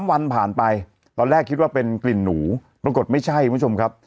วันผ่านไปตอนแรกคิดว่าเป็นกลิ่นหนูปรากฏไม่ใช่คุณผู้ชมครับ